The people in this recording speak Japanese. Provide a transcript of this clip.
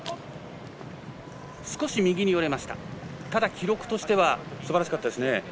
記録としてはすばらしかったですね。